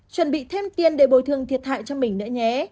chuẩn bị thêm tiền để bồi thường thiệt hại cho mình nữa nhé